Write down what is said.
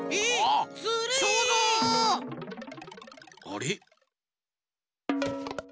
あれ？